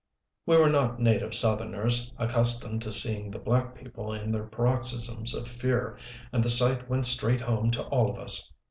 We were not native southerners, accustomed to seeing the black people in their paroxysms of fear, and the sight went straight home to all of us.